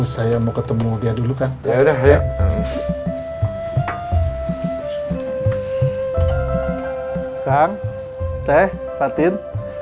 saya mau ketemu dia dulu kan